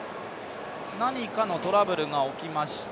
何かのトラブルが起きました。